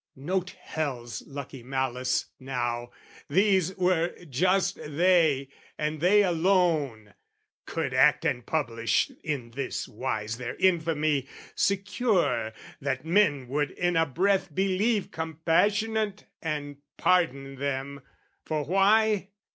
note hell's lucky malice, now!... These were just they, and they alone, could act And publish in this wise their infamy, Secure that men would in a breath believe Compassionate and pardon them, for why?